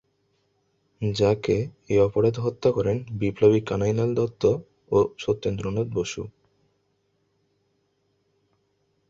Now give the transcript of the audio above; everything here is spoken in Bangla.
যাকে এই অপরাধে হত্যা করেন বিপ্লবী কানাইলাল দত্ত ও সত্যেন্দ্রনাথ বসু।